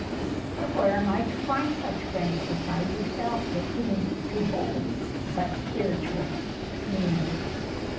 "But where am I to find such friends besides yourself with whom to hold spiritual communion?"